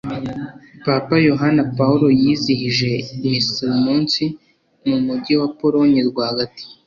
Papa Yohani Pawulo yizihije misa uyu munsi mu mujyi wa Polonye rwagati